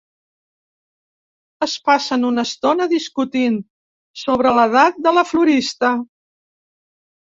Es passen una estona discutint sobre l'edat de la florista.